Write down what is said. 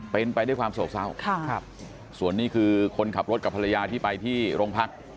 เป็นไปด้วยความโศกเศร้าส่วนนี้คือคนขับรถกับภรรยาที่ไปที่โรงพัก